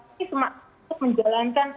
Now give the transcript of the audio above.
ini semaksa untuk menjalankan